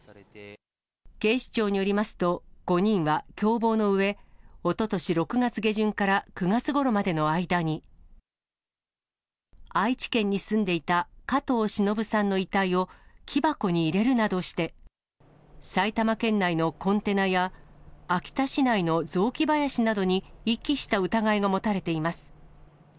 警視庁によりますと、５人は共謀のうえ、おととし６月下旬から９月ごろまでの間に、愛知県に住んでいた加藤しのぶさんの遺体を木箱に入れるなどして、埼玉県内のコンテナや、秋田市内の雑木林などに遺棄した疑いが持たれています。